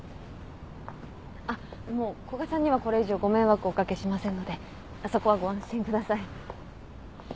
あっもう古賀さんにはこれ以上ご迷惑お掛けしませんのでそこはご安心ください。